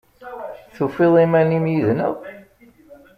Tufiḍ iman-im yid-neɣ?